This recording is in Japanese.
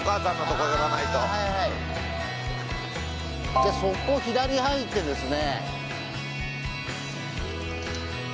じゃそこ左入ってですね。